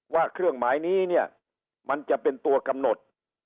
ว่าเครื่องหมายนี้เนี่ยมันจะเป็นตัวกำหนด